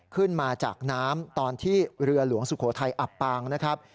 ขึ้นมาจากน้ำตอนที่เรือหลวงสุโขทัยอับปางนะครับ